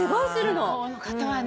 向こうの方はね。